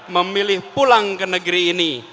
memilih pulang ke negeri ini